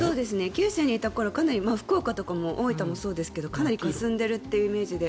九州にいた頃福岡とか大分もそうですがかなりかすんでいるというイメージで。